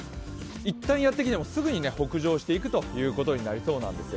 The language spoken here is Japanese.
一旦やってきてもすぐに北上していくということになりそうなんですよ。